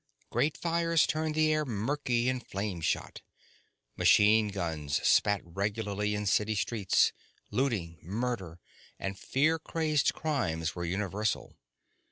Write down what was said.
Great fires turned the air murky and flame shot. Machine guns spat regularly in city streets; looting, murder, and fear crazed crimes were universal.